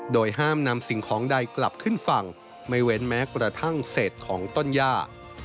โดยห้ามนำสิ่งของใดกลับขึ้นฝั่งไม่เว้นแม้กระทั่งเศษของต้นย่า